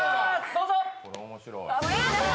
どうぞ！